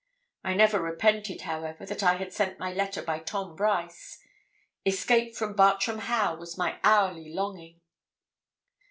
I never repented, however, that I had sent my letter by Tom Brice. Escape from Bartram Haugh was my hourly longing.